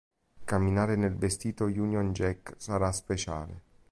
Camminare nel vestito Union Jack sarà speciale.